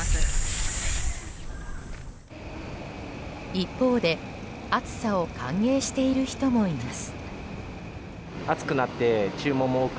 一方で暑さを歓迎している人もいます。